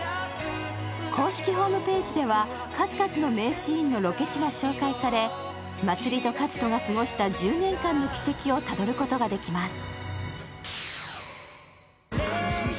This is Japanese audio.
公式ホームページでは数々の名シーンのロケ地が紹介され、茉莉と和人が過ごした１０年間の軌跡をたどることができます。